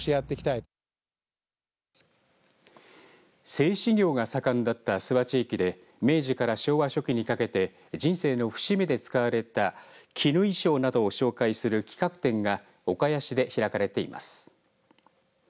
製糸業が盛んだった諏訪地域で明治から昭和初期にかけて人生の節目で使われた絹衣装などを紹介する企画展が岡谷市で開かれています。